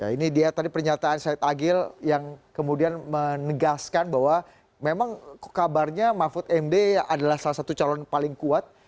ini dia tadi pernyataan syed agil yang kemudian menegaskan bahwa memang kabarnya mahfud md adalah salah satu calon paling kuat